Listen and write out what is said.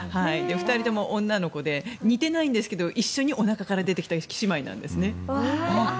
２人とも女の子で似てないんですけど一緒におなかから出てきた姉妹なんですね。